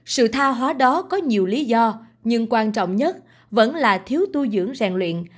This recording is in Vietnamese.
sự tha hóa đó có nhiều lý do nhưng quan trọng nhất vẫn là thiếu tu dưỡng rèn luyện